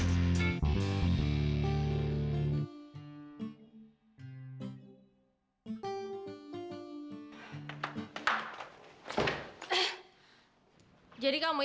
sampai jumpa lagi